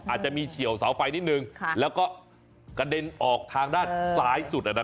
อาจจะมีเฉียวเสาไฟนิดนึงแล้วก็กระเด็นออกทางด้านซ้ายสุด